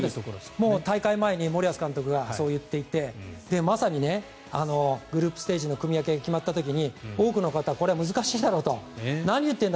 もう大会前に森保監督がそう言っていて、まさにグループステージの組み分けが決まった時に多くの方、これは難しいだろうと何を言ってるんだ